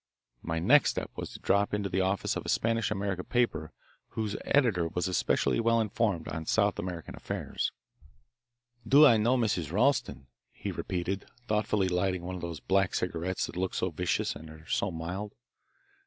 My next step was to drop into the office of a Spanish America paper whose editor was especially well informed on South American affairs. "Do I know Mrs. Ralston?" he repeated, thoughtfully lighting one of those black cigarettes that look so vicious and are so mild.